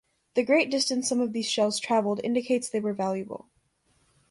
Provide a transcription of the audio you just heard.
The great distance some of these shells traveled indicates they were valuable.